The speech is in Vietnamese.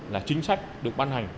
là chính sách được ban hành